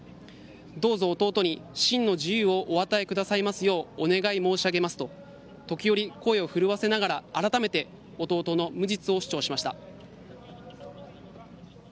どうぞ、弟に真の自由を与えくださいますようお願い申し上げますと時折、声を震わせながらあらためて弟の無実を主張しました。